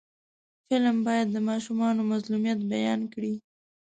فلم باید د ماشومانو مظلومیت بیان کړي